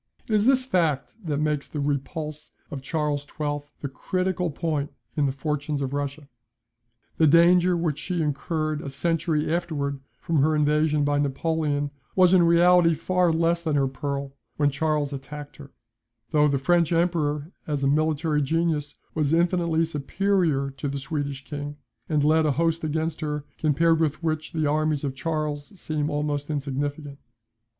It is this fact that makes the repulse of Charles XII. the critical point in the fortunes of Russia. The danger which she incurred a century afterwards from her invasion by Napoleon was in reality far less than her peril when Charles attacked her; though the French Emperor, as a military genius, was infinitely superior to the Swedish King, and led a host against her, compared with which the armies of Charles seem almost insignificant.